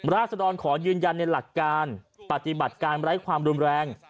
ราศดรขอยืนยันในหลักการปฏิบัติการไร้ความรุนแรง